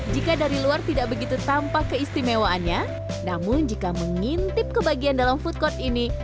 jika dari luar tidak begitu tampak keistimewaannya namun jika mengintip ke bagian dalam food court ini